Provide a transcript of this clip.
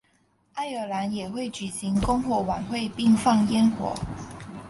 爱尔兰也会举行篝火晚会并放焰火。